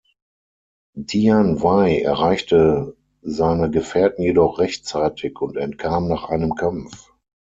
Dian Wei erreichte seine Gefährten jedoch rechtzeitig und entkam nach einem Kampf.